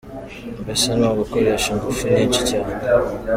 Mbese ni ugukoresha ingufu nyinshi cyane.